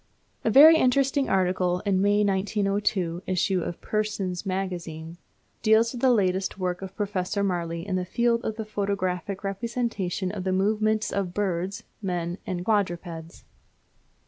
A very interesting article in the May, 1902, issue of Pearson's Magazine deals with the latest work of Professor Marey in the field of the photographic representation of the movements of men, birds, and quadrupeds.